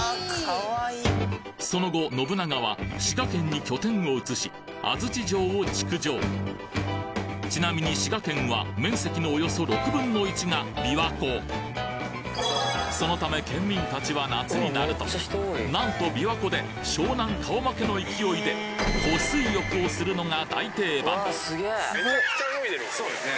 その後信長は滋賀県に拠点を移し安土城を築城ちなみに滋賀県はそのため県民たちは夏になると何と琵琶湖で湘南顔負けの勢いで湖水浴をするのが大定番そうですね